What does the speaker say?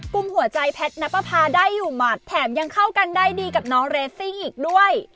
ุ่มหัวใจแพทย์นับประพาได้อยู่หมัดแถมยังเข้ากันได้ดีกับน้องเรสซิ่งอีกด้วย